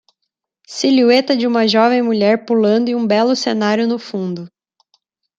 silhueta de uma jovem mulher pulando e um belo cenário no fundo.